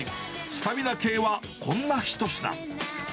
スタミナ系はこんな一品。